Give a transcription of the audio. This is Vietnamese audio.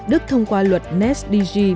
đức thông qua luật nesdg